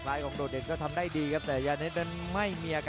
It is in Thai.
ประโยชน์ทอตอร์จานแสนชัยกับยานิลลาลีนี่ครับ